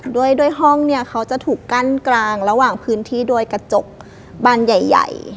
ด้วยห้องเนี่ยเขาจะถูกกั้นกลางระหว่างพื้นที่โดยกระจกบานใหญ่